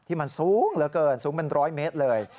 ที่มันสูงเหลือเกินสูงเป็น๑๐๐เมตรเลย